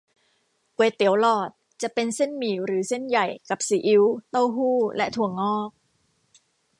ก๋วยเตี๋ยวหลอด จะเป็นเส้นหมี่หรือเส้นใหญ่ กับซีอิ๊ว เต้าหู้ และถั่วงอก